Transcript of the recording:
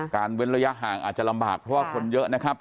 เว้นระยะห่างอาจจะลำบากเพราะว่าคนเยอะนะครับ